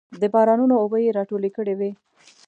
د بارانونو اوبه یې راټولې کړې وې.